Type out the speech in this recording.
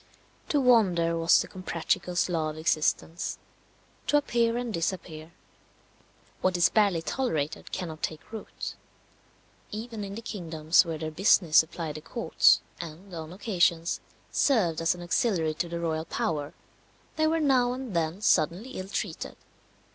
To wander was the Comprachicos' law of existence to appear and disappear. What is barely tolerated cannot take root. Even in the kingdoms where their business supplied the courts, and, on occasions, served as an auxiliary to the royal power, they were now and then suddenly ill treated.